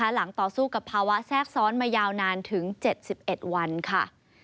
ต่อสู้กับภาวะแทรกซ้อนมายาวนานถึง๗๑วันค่ะ